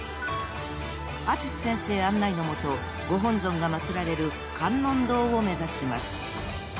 ［淳先生案内の下ご本尊が祭られる観音堂を目指します］